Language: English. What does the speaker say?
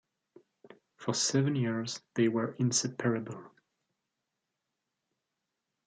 For seven years they were inseparable.